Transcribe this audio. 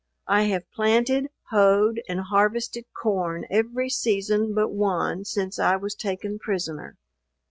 I have planted, hoed, and harvested corn every season but one since I was taken prisoner.